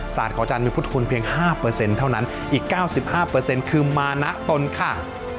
ศาสตร์ของอาจารย์มีพฤษภูมิเพียง๕เปอร์เซ็นต์เท่านั้นอีก๙๕เปอร์เซ็นต์คือมานัตลค่ะ